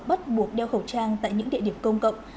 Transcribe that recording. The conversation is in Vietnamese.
bắt buộc đeo khẩu trang tại những địa điểm công cộng